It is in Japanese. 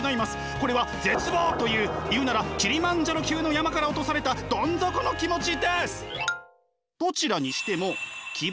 これは絶望という言うならキリマンジャロ級の山から落とされたどん底の気持ちです！